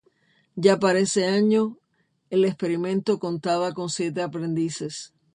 Ya para ese año el experimento contaba con siete aprendices.